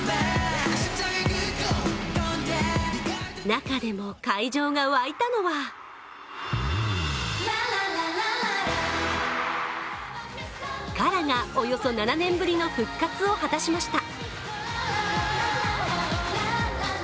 中でも会場が沸いたのはＫＡＲＡがおよそ７年ぶりの復活を果たしました。